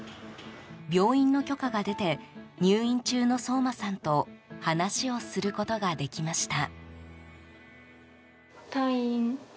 病院の許可が出て入院中の想真さんと話をすることができました。